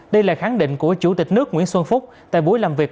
đây là khẳng định của chủ tịch nước nguyễn xuân phúc tại buổi làm việc